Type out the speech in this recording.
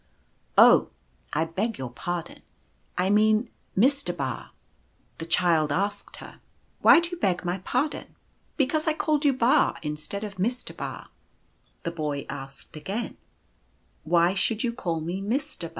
Oh ! I beg your par don. I mean, Mister Ba." The Child asked her : cc Why do you beg my pardon ?"" Because I called you Ba, instead of Mister Ba." Loving kindness . 187 The Boy asked again: " Why should you call me Mister Ba?"